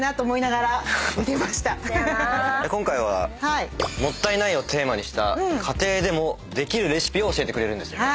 今回はもったいないをテーマにした家庭でもできるレシピを教えてくれるんですよね。